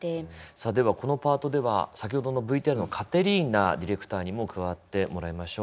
さあではこのパートでは先ほどのＶＴＲのカテリーナディレクターにも加わってもらいましょう。